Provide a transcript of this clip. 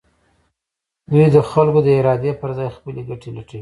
دوی د خلکو د ارادې پر ځای خپلې ګټې لټوي.